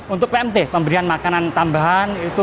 untuk pmt pemberian makanan tambahan itu